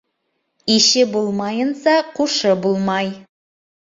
Ише булмайынса, ҡушы булмай.